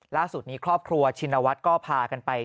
ล่าสุดนี้ครอบครัวชินวัฒน์ก็พากันไป